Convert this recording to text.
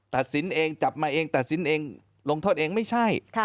ตัดสินเองจับมาเองตัดสินเองลงโทษเองไม่ใช่